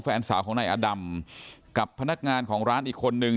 แฟนสาวของนายอดำกับพนักงานของร้านอีกคนนึง